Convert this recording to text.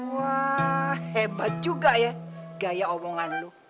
wah hebat juga ya gaya omongan lo